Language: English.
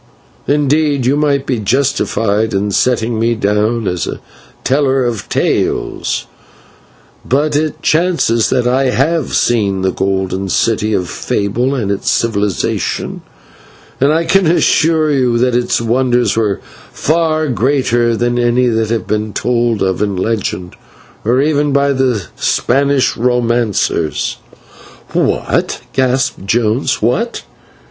Indeed, you might be justified in setting me down as a teller of tales, but it chances that I /have/ seen the Golden City of fable and its civilisation, and I can assure you that its wonders were far greater than any that have been told of in legend, or even by the Spanish romancers." "What!" gasped Jones, "what!